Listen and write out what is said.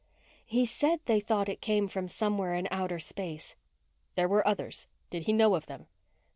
"He said they thought it came from somewhere in outer space." "There were others. Did he know of them?"